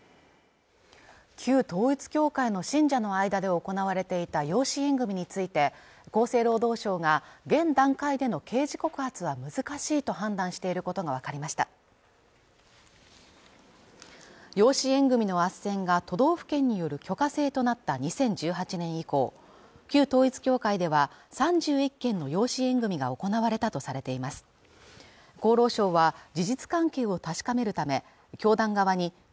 旧統一教会の信者の間で行われていた養子縁組について厚生労働省が現段階での刑事告発は難しいと判断していることが分かりました養子縁組のあっせんが都道府県による許可制となった２０１８年以降旧統一教会では３１件の養子縁組が行われたとされています